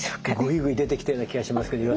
ぐいぐい出てきてるような気がしますけど。